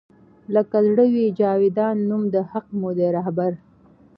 لــــــــــکه زړه وي جـــاویــــدان نــــوم د حــــق مو دی رهـــــــــبر